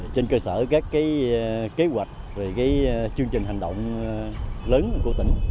trên cơ sở các kế hoạch chương trình hành động lớn của tỉnh